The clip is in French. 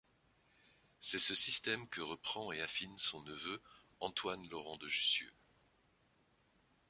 C'est ce système que reprend et affine son neveu Antoine-Laurent de Jussieu.